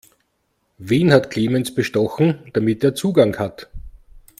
Wen hat Clemens bestochen, damit er Zugang hat?